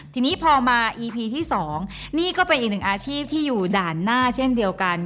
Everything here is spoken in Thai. ทีนี้พอมาอีพีที่๒นี่ก็เป็นอีกหนึ่งอาชีพที่อยู่ด่านหน้าเช่นเดียวกัน